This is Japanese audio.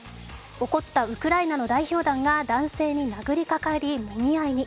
怒ったウクライナの代表団が男性に殴りかかりもみ合いに。